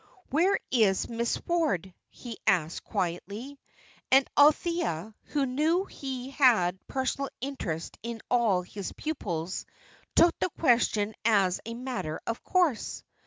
"Where is Miss Ward?" he asked, quietly. And Althea, who knew he had personal interest in all his pupils, took the question as a matter of course.